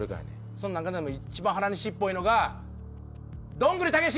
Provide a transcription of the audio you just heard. その中でも一番原西っぽいのが「どんぐりたけし」！